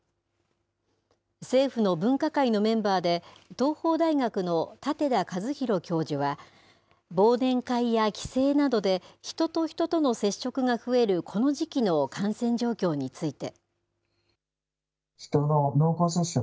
政府の分科会のメンバーで、東邦大学の舘田一博教授は、忘年会や帰省などで、人と人との接触が増えるこの時期の感染状況について。